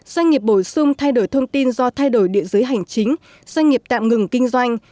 doanh nghiệp bổ sung thay đổi thông tin do thay đổi địa giới hành chính doanh nghiệp tạm ngừng kinh doanh